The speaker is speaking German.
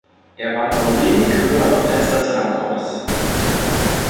Er war nur wenig höher als das Langhaus.